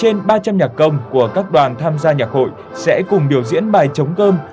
điểm nhấn của buổi hòa nhạc là trên ba trăm linh nhạc công của các đoàn tham gia nhạc hội sẽ cùng biểu diễn bài chống cơm